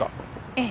ええ。